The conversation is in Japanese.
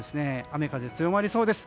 雨風が強まりそうです。